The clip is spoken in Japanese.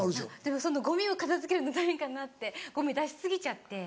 ゴミを片付けるの大変かなってゴミ出し過ぎちゃって。